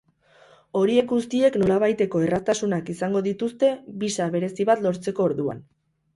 Horiek guztiek nolabaiteko erraztasunak izango dituzte bisa berezi bat lortzeko orduan.